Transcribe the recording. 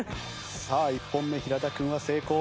さあ１本目平田君は成功。